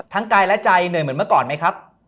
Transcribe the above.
กายและใจเหนื่อยเหมือนเมื่อก่อนไหมครับ